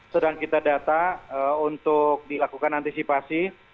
sedang kita data untuk dilakukan antisipasi